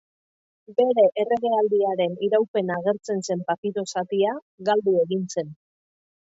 Bere erregealdiaren iraupena agertzen zen papiro zatia, galdu egin zen.